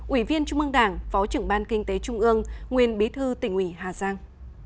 ủy viên trung mương đảng phó trưởng ban kinh tế trung ương nguyên bí thư tỉnh ủy hà giang